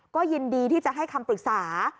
ก็ยินดีที่จะให้คำปรึกษา